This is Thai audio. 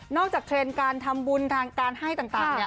จากเทรนด์การทำบุญทางการให้ต่างเนี่ย